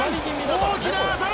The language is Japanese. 大きな当たり！